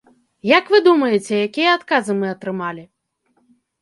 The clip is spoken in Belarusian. Як вы думаеце, якія адказы мы атрымалі?